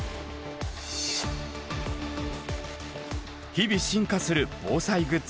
日々進化する防災グッズ。